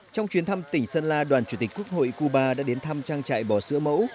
trong chuyến thăm tỉnh sơn la đoàn chủ tịch quốc hội cuba đã đến thăm trang trại bò sữa mẫu